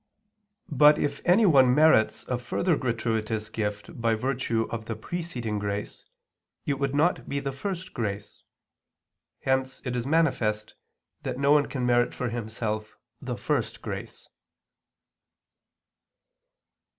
But of anyone merits a further gratuitous gift by virtue of the preceding grace, it would not be the first grace. Hence it is manifest that no one can merit for himself the first grace.